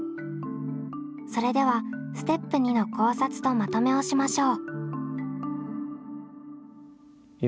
それではステップ２の考察とまとめをしましょう。